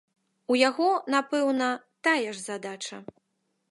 У яго, напэўна, тая ж задача.